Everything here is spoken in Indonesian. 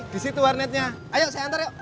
di situ warnetnya ayo saya antar yuk